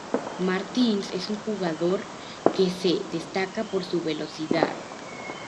Martins es un jugador que se destaca por su velocidad.